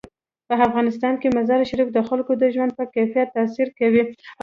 په افغانستان کې مزارشریف د خلکو د ژوند په کیفیت تاثیر کوي.